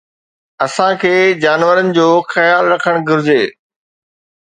اسان کي جانورن جو خيال رکڻ گهرجي